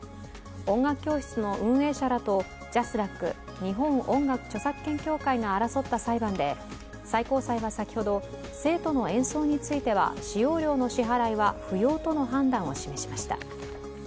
音楽教室の運営者らとＪＡＳＲＡＣ＝日本音楽著作権協会が争った裁判で、最高裁は先ほど、生徒の演奏については使用料の支払いは不要との判断を示しました。